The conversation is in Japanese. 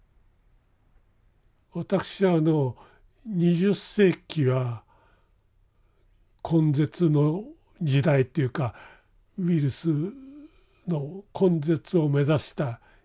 私はあの２０世紀は根絶の時代っていうかウイルスの根絶を目指した時代であったと。